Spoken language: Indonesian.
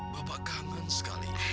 bapak kangen sekali